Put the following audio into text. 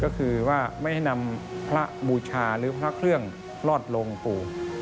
ก็คือว่าไม่ให้นำพระบูชาหรือพระเครื่องรอดลงปู่